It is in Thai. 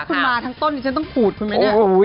คุณมาทั้งต้นที่ฉันต้องขูดคุณไหมเนี่ย